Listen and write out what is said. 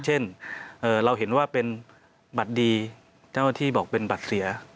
เช่นเราเห็นว่าเป็นบัตรดีเจ้าหน้าที่บอกเป็นบัตรเสีย